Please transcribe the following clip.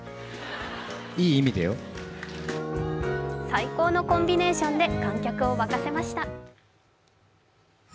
最高のコンビネーションで観客を沸かせました。